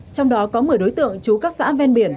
trong đó có một mươi đối tượng trú các xã ven biển